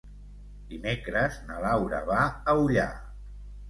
Dimecres na Laura va a Ullà.